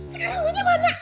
sekarang duitnya mana